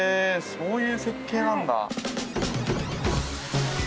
そういう設計なんだ。